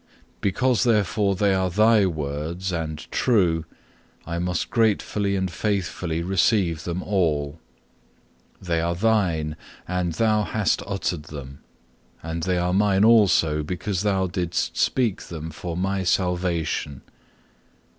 Because therefore they are Thy words and true, I must gratefully and faithfully receive them all. They are Thine, and Thou hast uttered them; and they are mine also, because Thou didst speak them for my salvation.